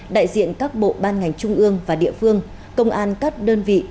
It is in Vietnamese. đại diện các bộ ban ngành trung ương và địa phương công an các đơn vị